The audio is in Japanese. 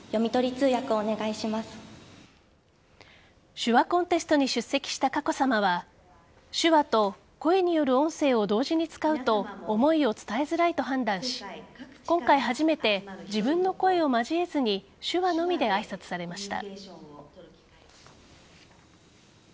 手話コンテストに出席した佳子さまは手話と声による音声を同時に使うと思いを伝えづらいと判断し今回初めて自分の声を交えずに手話のみで挨拶されました。